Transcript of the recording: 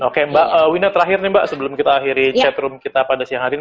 oke mbak wina terakhir nih mbak sebelum kita akhiri chatroom kita pada siang hari ini